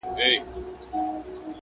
مخ يې ونيوى پر كور ما ته يې شا سوه.!